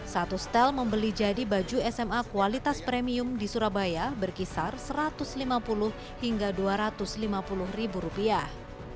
satu setel membeli jadi baju sma kualitas premium di surabaya berkisar satu ratus lima puluh hingga dua ratus lima puluh ribu rupiah